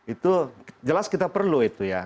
itu jelas kita perlu itu ya